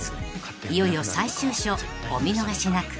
［いよいよ最終章お見逃しなく］